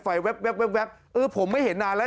แว๊บเออผมไม่เห็นนานแล้ว